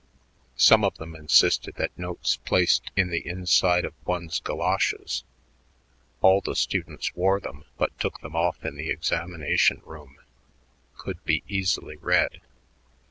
Some of them insisted that notes placed in the inside of one's goloshes all the students wore them but took them off in the examination room could be easily read.